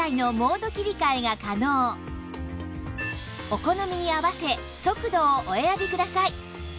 お好みに合わせ速度をお選びください